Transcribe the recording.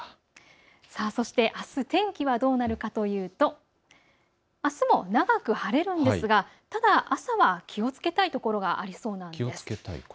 そして、あす天気はどうなるかというとあすも長く晴れるんですがただ朝は気をつけたいところがあるんです。